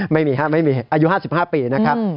ไม่มีครับไม่มีอายุ๕๕ปีนะครับ